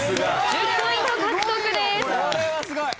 １０ポイント獲得です。